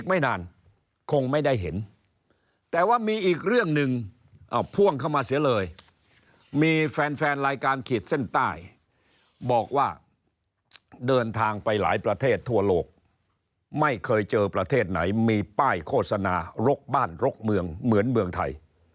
ไม่นานคงไม่ได้เห็นแต่ว่ามีอีกเรื่องหนึ่งพ่วงเข้ามาเสียเลยมีแฟนแฟนรายการขีดเส้นใต้บอกว่าเดินทางไปหลายประเทศทั่วโลกไม่เคยเจอประเทศไหนมีป้ายโฆษณารกบ้านรกเมืองเหมือนเมืองไทย